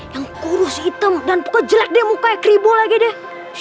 yang kurus hitam dan kok jelek deh mukanya keribo lagi deh